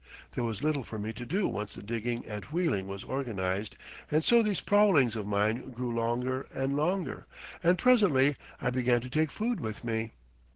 There was little for me to do once the digging and wheeling was organised, and so these prowlings of mine grew longer and longer, and presently I began to take food with me.